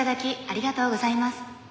ありがとうございます。